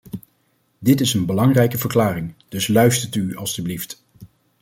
Dit is een belangrijke verklaring, dus luistert u alstublieft.